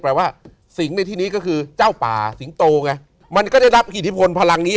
ว่าสิงห์ในที่นี้ก็คือเจ้าป่าสิงโตไงมันก็ได้รับอิทธิพลพลังนี้